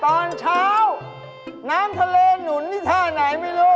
ตอนเช้าน้ำทะเลหนุนที่ท่าไหนไม่รู้